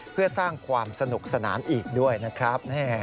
เพื่อสร้างความสนุกสนานอีกด้วยนะครับ